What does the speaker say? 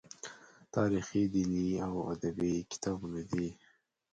تاریخي، دیني او ادبي کتابونه دي.